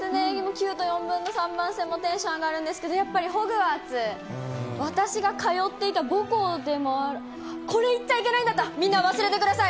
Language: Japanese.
９と４分の３番線もテンション上がるんですけど、やっぱりホグワーツ、私が通っていた母校でもある、これ、言っちゃいけないんだった、みんな忘れてください。